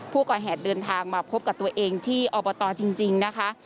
ผู้ต้องหาเดินทางมาพบกับตัวเองที่อบตจริงนะคะ